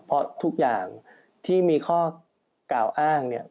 เพราะทุกอย่างที่มีข้อกล่าวอ้างเนี่ย